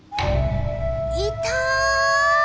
いた！